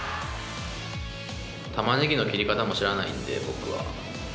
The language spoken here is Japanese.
玉ねぎの切り方も知らないんで僕は。